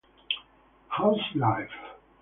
How's Life?